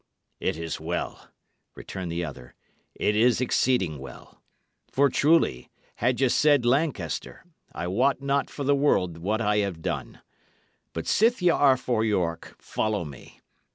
"It is well," returned the other; "it is exceeding well. For, truly, had ye said Lancaster, I wot not for the world what I had done. But sith ye are for York, follow me.